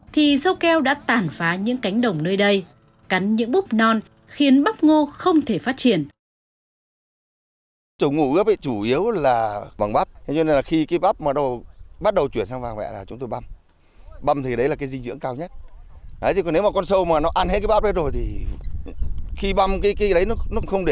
thì sâu keo đã tản phá những cánh đồng nơi đây cắn những búp non khiến bắp ngô không thể phát triển